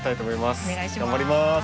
お願いします。